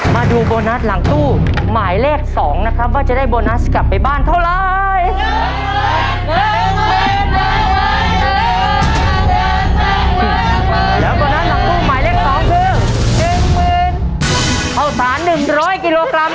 มาดูโบนัสหลังตู้หมายเลข๒นะครับว่าจะได้โบนัสกลับไปบ้านเท่าไร